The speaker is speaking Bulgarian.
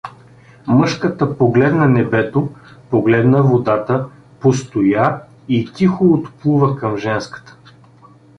Мъжката погледна небето, погледна водата, постоя и тихо отплува към женската.